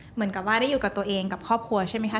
เหมือนกับว่าได้อยู่กับตัวเองกับครอบครัวใช่ไหมคะ